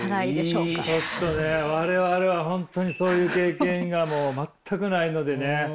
ちょっとね我々は本当にそういう経験がもう全くないのでね。